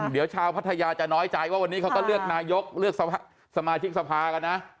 เดี๋ยวชาวพัทยาจะน้อยใจว่าวันนี้เขาก็เลือกนายกเลือกสมาชิกสภากันนะ